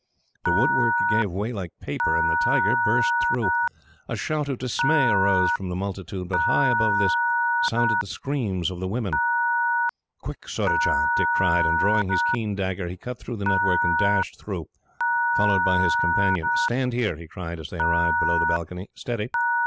The woodwork gave way like paper, and the tiger burst through. A shout of dismay arose from the multitude, but high above this sounded the screams of the women. "Quick, Surajah!" Dick cried, and, drawing his keen dagger, he cut through the network and dashed through, followed by his companion. "Stand here," he cried, as they arrived below the balcony. "Steady!